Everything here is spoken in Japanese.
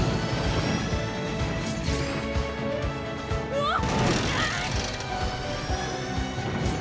うわっ！